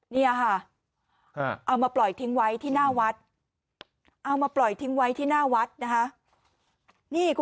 นี่ค่ะเอามาปล่อยทิ้งไว้ที่หน้าวัดเอามาปล่อยทิ้งไว้ที่หน้าวัดนะคะ